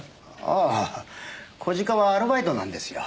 ああ小鹿はアルバイトなんですよ。